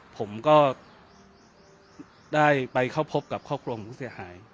ผมก็ได้ไปเข้าพบกับครอบครัวของผู้เสียหาย